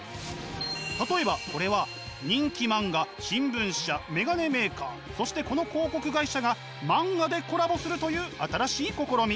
例えばこれは人気漫画新聞社メガネメーカーそしてこの広告会社が漫画でコラボするという新しい試み。